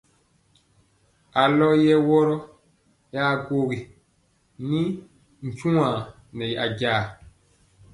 Alɔ yɛ wɔrɔ ya gwogini nyuwa nɛ ajaa.